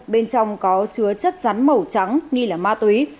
bên trong có chứa chất rắn màu trắng nghi là ma túy